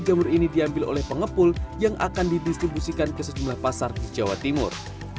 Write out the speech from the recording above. jamur ini diambil oleh pengepul yang akan didistribusikan ke sejumlah pasar di jawa timur